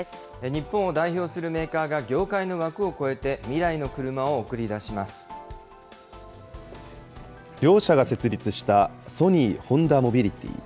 日本を代表するメーカーが業界の枠を越えて、未来の車を送り両社が設立した、ソニー・ホンダモビリティ。